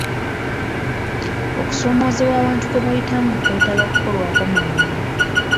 Okusoomoozebwa abantu kwe bayitamu kwetaaga kukolwako mangu.